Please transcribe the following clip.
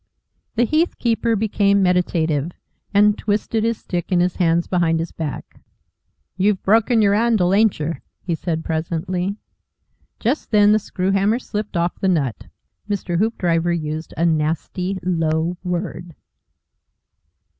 The heath keeper became meditative, and twisted his stick in his hands behind his back. "You've broken yer 'andle, ain't yer?" he said presently. Just then the screw hammer slipped off the nut. Mr. Hoopdriver used a nasty, low word.